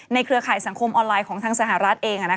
เครือข่ายสังคมออนไลน์ของทางสหรัฐเอง